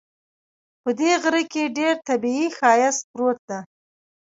په دې غره کې ډېر طبیعي ښایست پروت ده